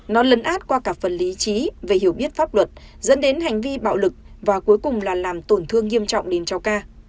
nó lấn át qua cả phần lý trí về hiểu biết pháp luật dẫn đến hành vi bạo lực và cuối cùng là làm tổn thương nghiêm trọng đến cháu ca